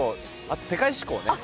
あと世界志向ね。